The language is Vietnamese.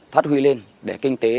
phát huy lên để kinh tế